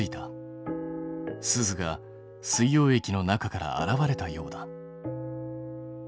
スズが水溶液の中から現れたようだ。